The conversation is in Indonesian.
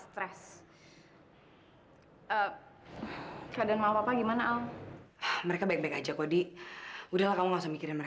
terima kasih al